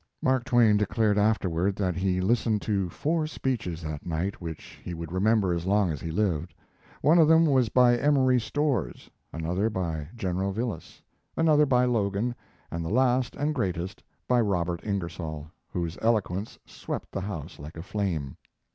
Mark Twain declared afterward that he listened to four speeches that night which he would remember as long as he lived. One of them was by Emory Storrs, another by General Vilas, another by Logan, and the last and greatest by Robert Ingersoll, whose eloquence swept the house like a flame.